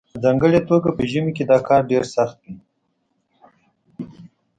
په ځانګړې توګه په ژمي کې دا کار ډیر سخت وي